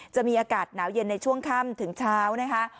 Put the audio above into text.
จะมีอากาศหนาวเย็นในช่วงค่ำถึงเช้านะคะ